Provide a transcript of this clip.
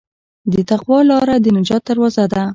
د تقوی لاره د نجات دروازه ده.